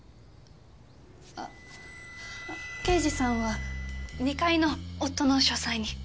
あっ刑事さんは２階の夫の書斎に。